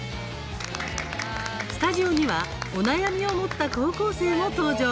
スタジオには、お悩みを持った高校生も登場。